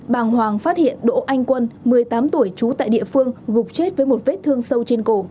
bàng hoàng phát hiện đỗ anh quân một mươi tám tuổi trú tại địa phương gục chết với một vết thương sâu trên cổ